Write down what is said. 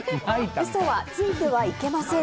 嘘はついてはいけません。